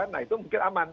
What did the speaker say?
nah itu mungkin aman